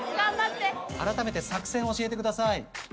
あらためて作戦を教えてください。